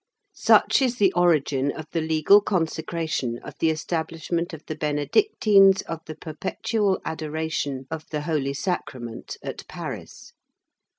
Such is the origin of the legal consecration of the establishment of the Benedictines of the Perpetual Adoration of the Holy Sacrament at Paris.